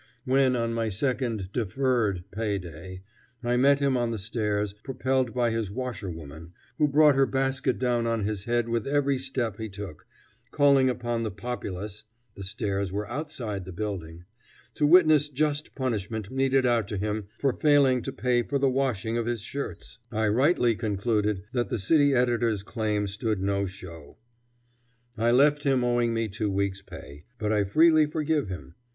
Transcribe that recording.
When, on my second deferred pay day, I met him on the stairs, propelled by his washerwoman, who brought her basket down on his head with every step he took, calling upon the populace (the stairs were outside the building) to witness just punishment meted out to him for failing to pay for the washing of his shirts, I rightly concluded that the city editor's claim stood no show. I left him owing me two weeks' pay, but I freely forgive him.